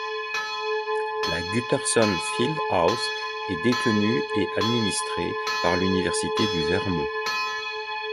La Gutterson Fieldhouse est détenue et administrée par l'Université du Vermont.